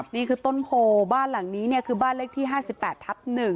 นี่คือต้นโพบ้านหลังนี้คือบ้านเลขที่๕๘ทับ๑